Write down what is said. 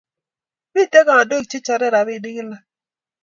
Miten kandoik che chore rapinik kila